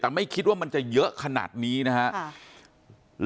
แต่ไม่คิดว่ามันจะเยอะขนาดนี้นะครับ